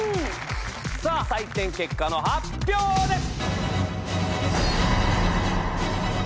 さぁ採点結果の発表です！